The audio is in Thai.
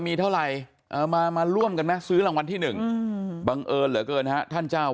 มีเท่าไหร่มาร่วมกันไหมซื้อรางวัลที่๑บังเอิญเหลือเกินฮะท่านเจ้า